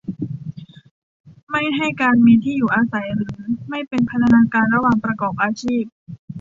ไม่ให้การมีที่อยู่อาศัยหรือไม่เป็นพันธนาการระหว่างประกอบอาชีพ